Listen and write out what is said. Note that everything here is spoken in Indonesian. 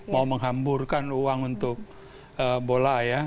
mau menghamburkan uang untuk bola ya